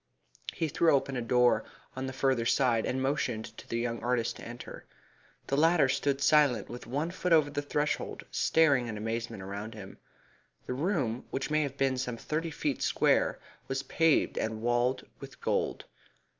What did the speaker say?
He threw open a door on the further side, and motioned to the young artist to enter. The latter stood silent with one foot over the threshold, staring in amazement around him. The room, which may have been some thirty feet square, was paved and walled with gold.